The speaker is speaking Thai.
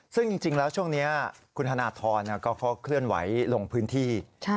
ซึ่งจริงแล้วช่วงนี้คุณธนทรก็เคลื่อนไหวลงพื้นที่